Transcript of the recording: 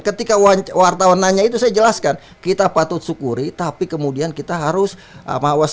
ketika wartawan nanya itu saya jelaskan kita patut syukuri tapi kemudian kita harus mawas